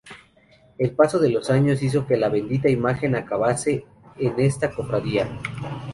El paso de los años hizo que la bendita Imagen acabase en esta cofradía.